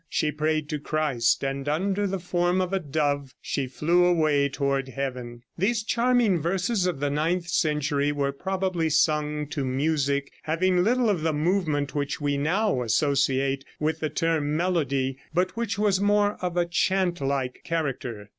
She prayed to Christ, and under the form of a dove she flew away toward heaven. These charming verses of the ninth century were probably sung to music having little of the movement which we now associate with the term melody, but which was more of a chant like character.